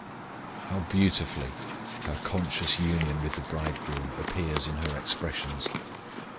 How beautifully her conscious union with the Bridegroom appears in her expressions.